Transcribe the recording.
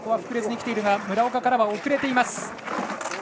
膨れずに来ているが村岡からは遅れています。